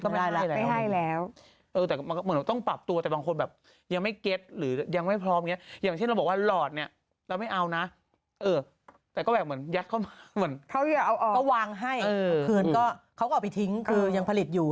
เขาอยากเอาออกก็วางให้คือก็เอาไปทิ้งคือยังผลิตอยู่